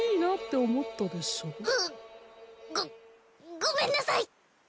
ごごめんなさい